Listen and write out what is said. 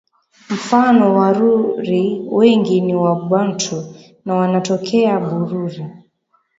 Mfano Waruri wengi ni Wabantu na wanatokea Bururi